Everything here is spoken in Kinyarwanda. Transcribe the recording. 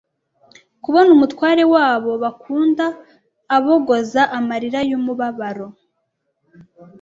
Kubona umutware wabo bakunda abogoza amarira y'umubabaro!